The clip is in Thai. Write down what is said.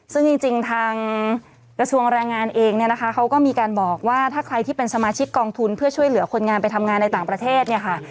ซึ่งจริงทางกระทรวงแรงงานเองเนี่ยนะคะเขาก็มีการบอกว่าถ้าใครที่เป็นสมาชิกกองทุนเพื่อช่วยเหลือคนงานไปทำงานในต่างประเทศเนี่ยค่ะ